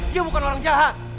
dia bukan orang jahat